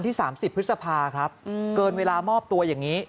๓๐พฤษภาครับเกินเวลามอบตัวอย่างนี้